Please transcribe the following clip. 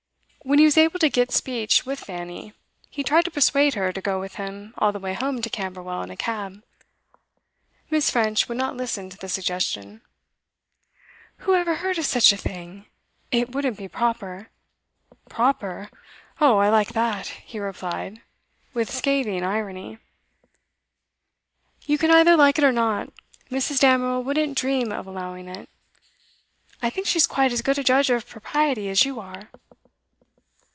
When he was able to get speech with Fanny, he tried to persuade her to go with him all the way home to Camberwell in a cab. Miss. French would not listen to the suggestion. 'Who ever heard of such a thing? It wouldn't be proper.' 'Proper! Oh, I like that!' he replied, with scathing irony. 'You can either like it or not. Mrs. Damerel wouldn't dream of allowing it. I think she's quite as good a judge of propriety as you are.